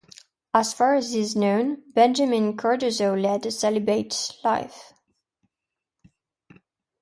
As far as is known, Benjamin Cardozo led a celibate life.